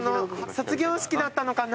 卒業式だったのかな？